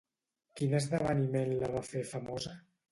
Quin esdeveniment la va fer famosa?